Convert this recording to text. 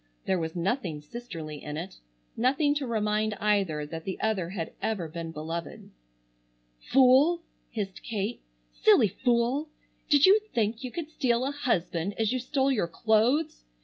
There was nothing sisterly in it, nothing to remind either that the other had ever been beloved. "Fool!" hissed Kate. "Silly fool! Did you think you could steal a husband as you stole your clothes?